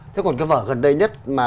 thế còn cái vở gần đây nhất mà